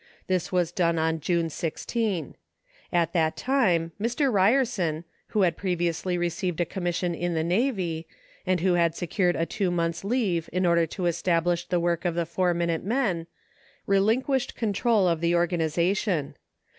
This was done on June 16. At that time Mr. Ryerson, who had previously received a commission in the Navy, and who had secured a two months' leave in order to establish the work of the Four Minute Men, relinquished control of the organization.